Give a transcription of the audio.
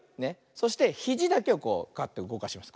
そしてひじだけをこうガッてうごかします